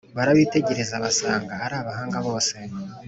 barabitegereza basanga ari abahanga bose,